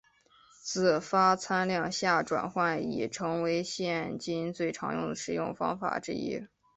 自发参量下转换已成为现今最常用的实验方法之一。